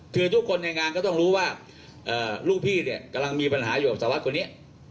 คือทุกคนในงานก็ต้องรู้ว่าลูกพี่เนี่ยกำลังมีปัญหาอยู่กับสารวัตรคนนี้